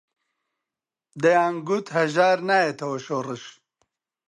دەیانگوت هەژار نایەتەوە شۆڕش